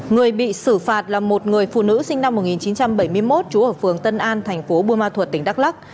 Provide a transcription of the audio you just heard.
người bị xử phạt là một người phụ nữ sinh năm một nghìn chín trăm bảy mươi một trú ở phường tân an thành phố buôn ma thuật tỉnh đắk lắc